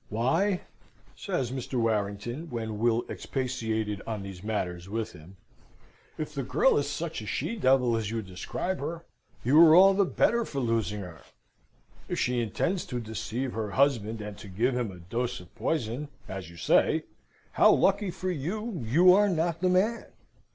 "Why," says Mr. Warrington (when Will expatiated on these matters with him), "if the girl is such a she devil as you describe her, you are all the better for losing her. If she intends to deceive her husband, and to give him a dose of poison, as you say, how lucky for you, you are not the man!